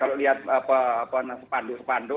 kalau lihat sepandu sepandu